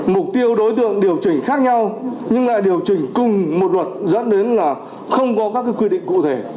mục tiêu đối tượng điều chỉnh khác nhau nhưng lại điều chỉnh cùng một luật dẫn đến là không có các quy định cụ thể